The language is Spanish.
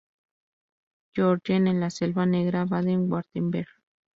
Georgen en la Selva Negra, Baden-Wurtemberg.